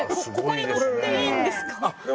ここに乗っていいんですか？